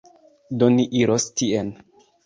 Do, ni iros tien